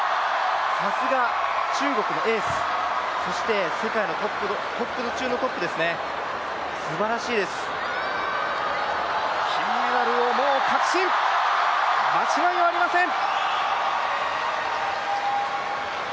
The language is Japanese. さすが中国のエ−ス、そして世界のトップ中のトップですね、金メダルをもう確信、間違いありません。